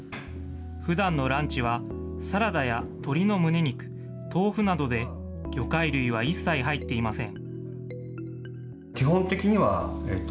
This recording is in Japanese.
ふだんのランチは、サラダや鶏の胸肉、豆腐などで、魚介類は一切入っていません。